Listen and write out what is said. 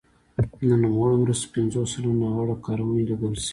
د نوموړو مرستو پنځوس سلنه ناوړه کارونې لګول شوي.